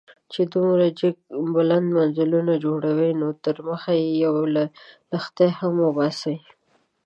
چې دومره جګ بلند منزلونه جوړوئ، نو تر مخ يې يو لښتی هم وباسئ.